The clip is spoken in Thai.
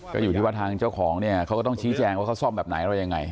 ก็อยู่ที่ว่าทางเจ้าของเนี่ยเขาก็ต้องชี้แจงว่าเขาซ่อมแบบไหนอะไรยังไง